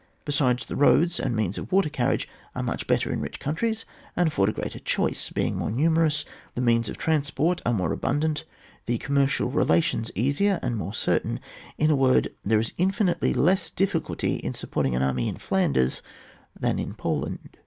Besides, the roads and means of water carriage are much better in rich countries and afford a greater choice, being more numerous, the means of transport are more abundant, the commercial relations easier and more cer tain. In a word, there is infinitely less dif ficulty in supporting an army in Flanders than in Poland.